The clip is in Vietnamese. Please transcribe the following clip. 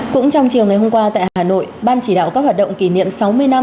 cũng trong chiều ngày hôm qua tại hà nội ban chỉ đạo các hoạt động kỷ niệm sáu mươi năm